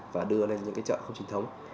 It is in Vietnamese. và đưa lên những cái chợ không trinh thống